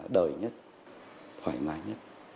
đời nhất thoải mái nhất